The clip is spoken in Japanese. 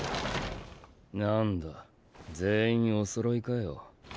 何だ全員おそろいかよ。